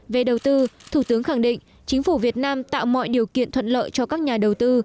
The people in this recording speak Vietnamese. về đầu tư thủ tướng khẳng định chính phủ việt nam tạo mọi điều kiện thuận lợi cho các nhà đầu tư